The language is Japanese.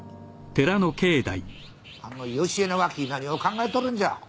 あの良恵のがき何を考えとるんじゃ？